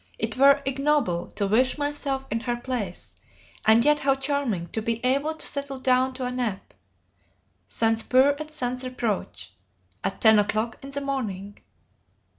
It were ignoble to wish myself in her place: and yet how charming to be able to settle down to a nap, sans peur et sans reproche, at ten o'clock in the morning."